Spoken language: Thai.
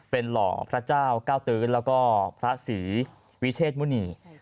เป็นหล่อพระเจ้าเก้าตื้นแล้วก็พระศรีวิเชษมุณี